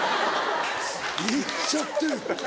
いっちゃってる。